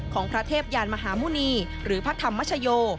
ของพระเทพยานมหาหมุณีหรือพระธรรมชโย